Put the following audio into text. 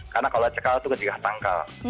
karena kalau cekal itu kecegah tangkal